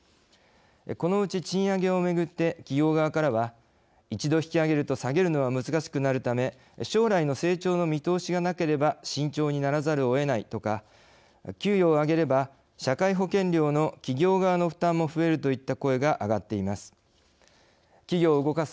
このうち賃上げをめぐって企業側からは一度引き上げると下げるのは難しくなるため将来の成長の見通しがなければ慎重にならざるをえないとか給与を上げれば、社会保険料の企業側の負担も増えるといった声が上がっています。